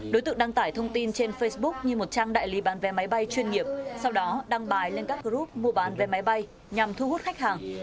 đối tượng đăng tải thông tin trên facebook như một trang đại lý bán vé máy bay chuyên nghiệp sau đó đăng bài lên các group mua bán vé máy bay nhằm thu hút khách hàng